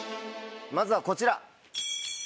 まずはこちら。